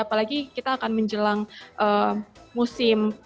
apalagi kita akan menjelang musim